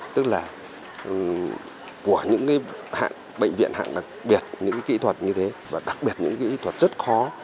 tức là của những bệnh viện hạng đặc biệt những kỹ thuật như thế và đặc biệt những kỹ thuật rất khó